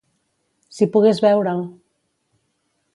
-Si pogués veure'l!